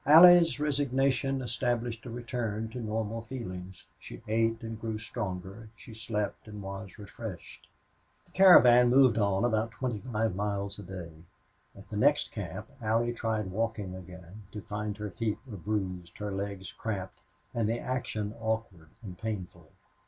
Allie's resignation established a return to normal feelings. She ate and grew stronger; she slept and was refreshed. The caravan moved on about twenty five miles a day. At the next camp Allie tried walking again, to find her feet were bruised, her legs cramped, and action awkward and painful.